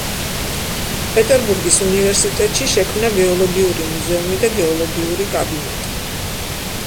პეტერბურგის უნივერსიტეტში შექმნა გეოლოგიური მუზეუმი და გეოლოგიური კაბინეტი.